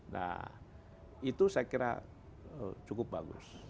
nah itu saya kira cukup bagus